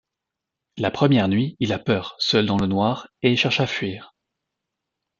La première nuit, il a peur seul dans le noir et cherche à fuir.